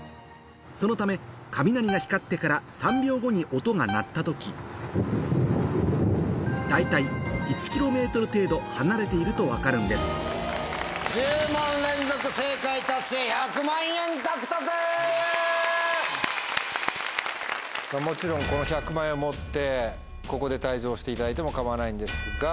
そのため３秒後に音が鳴った時大体１ｋｍ程度離れていると分かるんですもちろんこの１００万円を持ってここで退場していただいても構わないんですが。